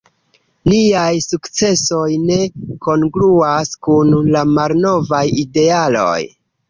Niaj sukcesoj ne kongruas kun la malnovaj idealoj.